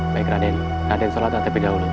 baik raden raden solata terlebih dahulu